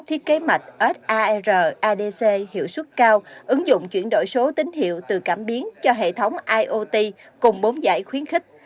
thiết kế mạch sar adc hiệu suất cao ứng dụng chuyển đổi số tín hiệu từ cảm biến cho hệ thống iot cùng bốn giải khuyến khích